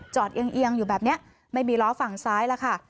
เอียงอยู่แบบนี้ไม่มีล้อฝั่งซ้ายแล้วค่ะ